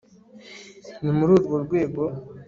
ni muri urwo rwego